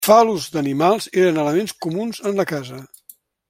Els fal·lus d'animals eren elements comuns en la casa.